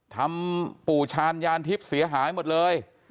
ทำปูชานยานธิพษ์เสียหายหมดเลย